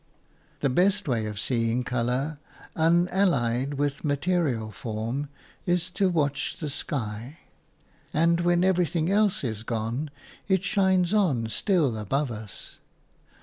The best way of seeing colour unallied with material form is to watch the sky; and when everything else is gone, it shines on still above us.